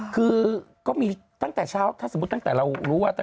คือก็มีตั้งแต่เช้าถ้าสมมุติตั้งแต่เรารู้ว่า